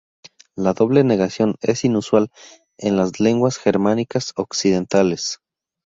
La doble negación es inusual en las lenguas germánicas occidentales.